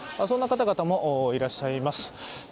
そんな方々もいらっしゃいます。